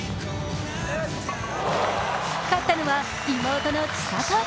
勝ったのは妹の千怜。